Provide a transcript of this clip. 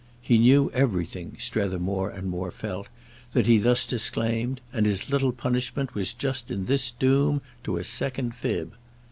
He knew everything, Strether more and more felt, that he thus disclaimed, and his little punishment was just in this doom to a second fib.